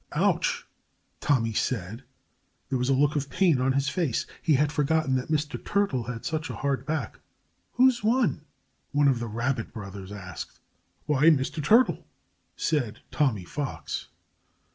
"Ouch!" Tommy said. There was a look of pain on his face. He had forgotten that Mr. Turtle had such a hard back. "Who's won?" one of the Rabbit brothers asked. "Why, Mr. Turtle!" said Tommy Fox.